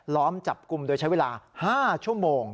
ล้อมจับกลุ่มโดยใช้เวลา๕ชั่วโมง